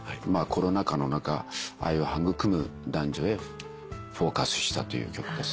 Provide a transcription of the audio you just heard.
コロナ禍の中愛を育む男女へフォーカスしたという曲です。